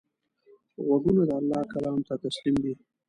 غوږونه د الله کلام ته تسلیم دي